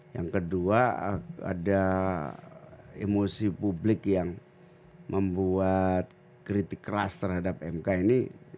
yang kedua ada emosi publik yang membuat kritik keras terhadap mk ini